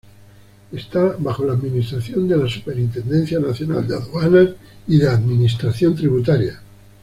Está bajo la administración de la Superintendencia Nacional de Aduanas y de Administración Tributaria.